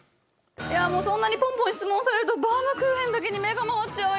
いやもうそんなにポンポン質問されるとバウムクーヘンだけに目が回っちゃうよ。